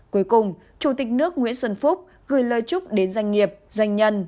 cuối cùng chủ tịch nước nguyễn xuân phúc gửi lời chúc đến doanh nghiệp doanh nhân